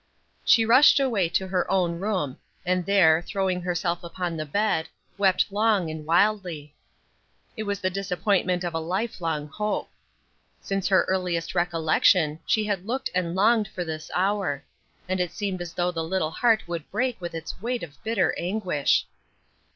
She rushed away to her own room, and there, throwing herself upon the bed, wept long and wildly. It was the disappointment of a lifelong hope. Since her earliest recollection she had looked and longed for this hour; and it seemed as though the little heart would break with its weight of bitter anguish.